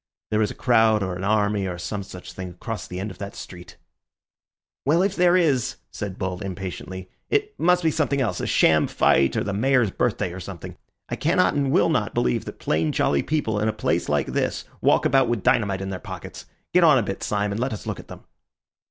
There is a crowd or an army or some such thing across the end of that street." "Well, if there is," said Bull impatiently, "it must be something else—a sham fight or the mayor's birthday or something. I cannot and will not believe that plain, jolly people in a place like this walk about with dynamite in their pockets. Get on a bit, Syme, and let us look at them."